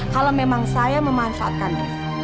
kalau memang saya memanfaatkan